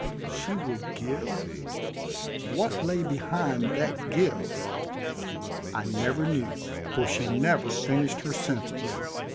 She would give What lay beyond that give? I never knew, for she never finished her sentence.